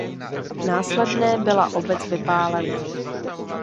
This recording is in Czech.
Následné byla obec vypálena.